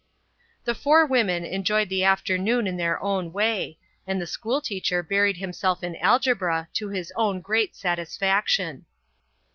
The four women enjoyed the afternoon in their own way, and the schoolteacher buried himself in algebra to his own great satisfaction.